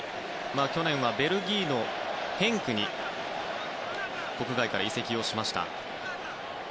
去年はベルギーのヘンクに国外から移籍をしました。